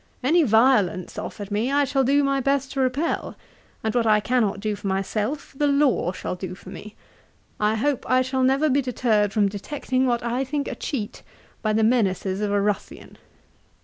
Any violence offered me I shall do my best to repel; and what I cannot do for myself, the law shall do for me. I hope I shall never be deterred from detecting what I think a cheat, by the menaces of a ruffian.